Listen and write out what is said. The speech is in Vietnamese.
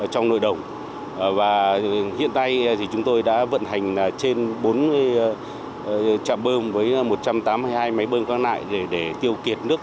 trong nội đồng hiện nay chúng tôi đã vận hành trên bốn trạm bơm với một trăm tám mươi hai máy bơm khác lại để tiêu kiệt nước